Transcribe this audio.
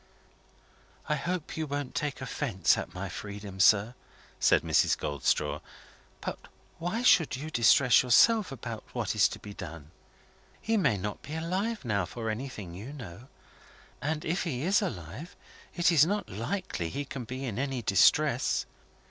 "I hope you won't take offence at my freedom, sir," said Mrs. Goldstraw; "but why should you distress yourself about what is to be done? He may not be alive now, for anything you know. And, if he is alive, it's not likely he can be in any distress.